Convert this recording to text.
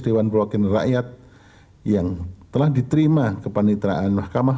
dewan perwakilan rakyat yang telah diterima kepanitraan mahkamah